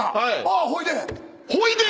「ほいで」